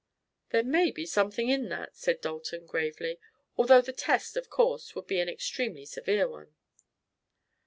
"There may be something in that," said Dalton gravely, "although the test, of course, would be an extremely severe one."